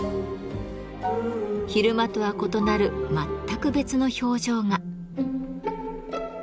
昼間とは異なる全く別の表情が。